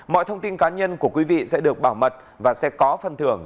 mọi thông tin cá nhân của quý vị sẽ được bảo mật và sẽ có phần thưởng